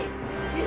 え！